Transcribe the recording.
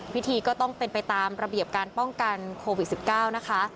พิธีก็ต้องเป็นไปตามระเบียบการป้องกันโควิด๑๙นะคะ